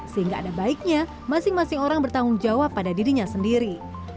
sehingga ada baiknya masing masing orang bertanggung jawab pada dirinya sendiri